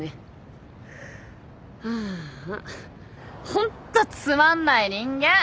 ああホントつまんない人間！